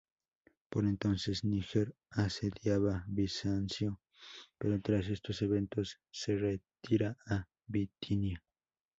Por entonces, Níger asediaba Bizancio, pero tras estos eventos se retira a Bitinia.